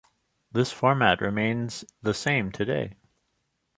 This format remains the same today.